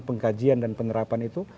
pengkajian dan penerapan itu